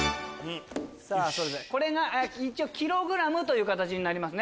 これがキログラムという形になります。